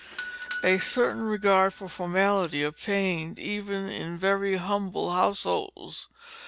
A certain regard for formality obtained even in very humble households.